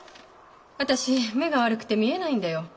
私目が悪くて見えないんだよ。